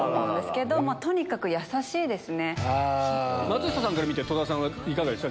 松下さんから見て戸田さんはいかがでした？